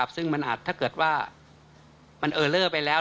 ซึ่งมันอาจถ้าเกิดว่ามันเออเลอร์ไปแล้ว